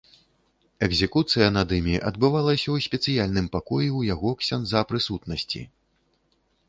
Экзекуцыя над імі адбывалася ў спецыяльным пакоі ў яго, ксяндза, прысутнасці.